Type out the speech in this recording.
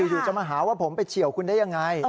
อยู่จะมาหาว่าผมไปเฉียวคุณได้ยังไง